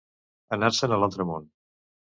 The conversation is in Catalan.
Anar-se'n a l'altre món.